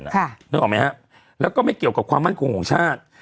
นึกออกไหมฮะแล้วก็ไม่เกี่ยวกับความมั่นคงของชาติ